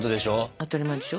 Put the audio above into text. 当たり前でしょ。